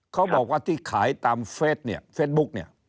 เขาบอกว่าที่ขายตามเฟสบุ๊ค